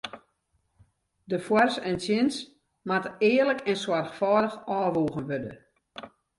De foars en tsjins moatte earlik en soarchfâldich ôfwoegen wurde.